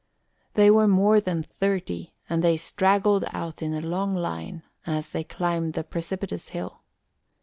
They were more than thirty, and they straggled out in a long line as they climbed the precipitous hill.